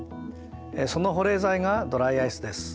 その保冷剤がドライアイスです。